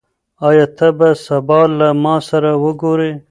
آيا ته به سبا له ما سره وګورې؟